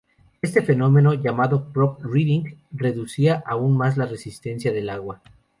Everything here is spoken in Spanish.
Este fenómeno, llamado "prop riding", reducía aún más la resistencia del agua.